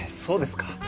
そうですか。